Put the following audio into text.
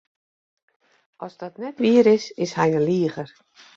As dat net wier is, is hy in liger.